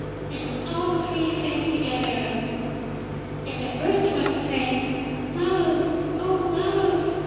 And all three sang together. And the first one sang 'Love! O Love!'